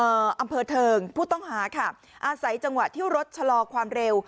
อำเภอเทิงผู้ต้องหาค่ะอาศัยจังหวะที่รถชะลอความเร็ว